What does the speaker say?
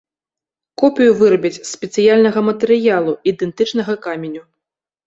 Копію вырабяць з спецыяльнага матэрыялу, ідэнтычнага каменю.